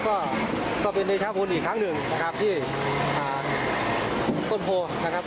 ก็ก็เป็นเดชาพลอีกครั้งหนึ่งนะครับที่ต้นโพนะครับ